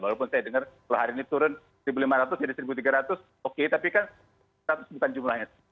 walaupun saya dengar kalau hari ini turun seribu lima ratus jadi satu tiga ratus oke tapi kan seratus bukan jumlahnya